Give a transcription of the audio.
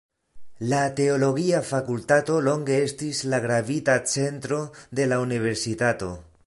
La teologia fakultato longe estis la gravita centro de la universitato.